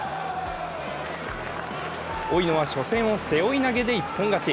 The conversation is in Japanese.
老野は初戦を背負投げで一本勝ち。